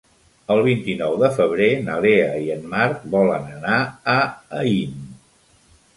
El vint-i-nou de febrer na Lea i en Marc volen anar a Aín.